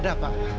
dulu apa pak